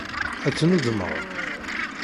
Ad tennuddmed.